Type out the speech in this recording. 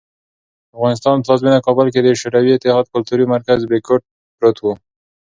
د افغانستان پلازمېنه کابل کې د شوروي اتحاد کلتوري مرکز "بریکوټ" پروت و.